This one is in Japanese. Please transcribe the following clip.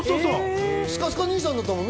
スカスカ兄さんだったもんね。